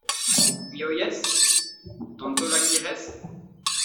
¿ me oyes? ¿ tanto la quieres ?